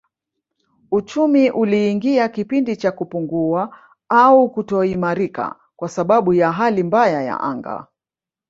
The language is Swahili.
Uchumi uliingia kipindi cha kupungua au kutoimarika kwa sababu ya hali mbaya ya anga